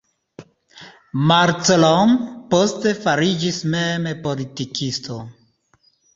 Malcolm poste fariĝis mem politikisto.